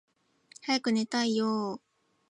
早く寝たいよーー